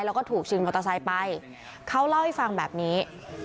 แล้วก็ถูกชิงมอเตอร์ไซค์ไปเขาเล่าให้ฟังแบบนี้